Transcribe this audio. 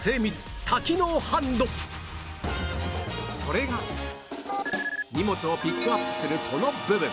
それが荷物をピックアップするこの部分